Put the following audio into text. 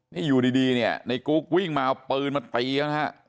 นี่อยู่ดีเนี่ยในกุ๊กวิ่งมาเอาปืนมาตีเขานะฮะ